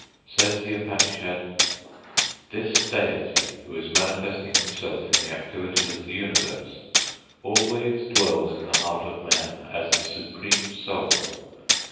Says the Upanishad: _This deity who is manifesting himself in the activities of the universe always dwells in the heart of man as the supreme soul.